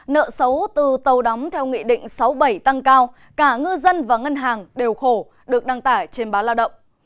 nợ xấu từ tàu đóng theo nghị định sáu bảy tăng cao cả ngư dân và ngân hàng đều khổ được đăng tải trên báo lao động